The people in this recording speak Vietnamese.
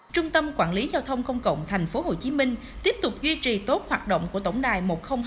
trung tâm quản lý giao thông công cộng tp hcm tiếp tục duy trì tốt hoạt động của tổng đài một nghìn hai mươi hai